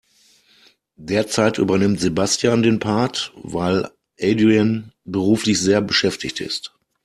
Derzeit übernimmt Sebastian den Part, weil Adrian beruflich sehr beschäftigt ist.